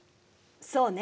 そうね。